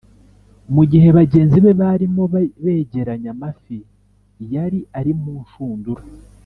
mu gihe bagenzi be barimo begeranya amafi yari ari mu nshundura